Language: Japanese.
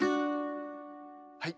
はい。